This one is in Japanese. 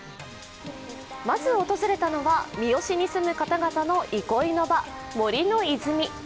まず訪れたのは三次に住む方の憩いの場、森の泉。